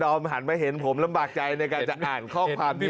หันมาเห็นผมลำบากใจในการจะอ่านข้อความที่